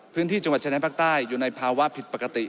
พื้นที่จังหวัดชายแดนภาคใต้อยู่ในภาวะผิดปกติ